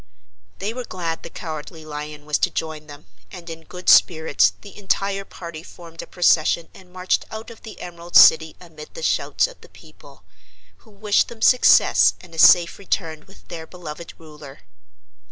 They were glad the Cowardly Lion was to join them, and in good spirits the entire party formed a procession and marched out of the Emerald City amid the shouts of the people, who wished them success and a safe return with their beloved Ruler.